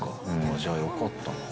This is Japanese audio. じゃあ、よかったな。